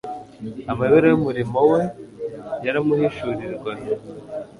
Amayobera y'umurimo We yaramuhishurirwaga.